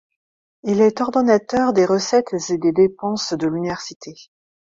Il est ordonnateur des recettes et des dépenses de l'université.